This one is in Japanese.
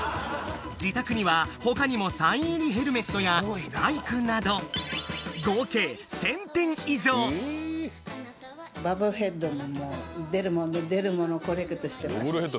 自宅には他にもサイン入りヘルメットやスパイクなどボブルヘッドも出る物出る物コレクトしてます。